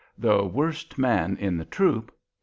THE WORST MAN IN THE TROOP.